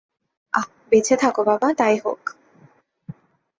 আহ বেঁচে থকো বাবা, তাই হোক।